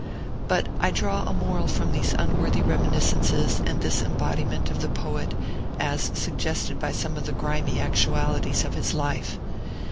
But I draw a moral from these unworthy reminiscences and this embodiment of the poet, as suggested by some of the grimy actualities of his life.